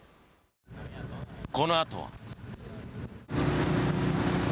このあとは。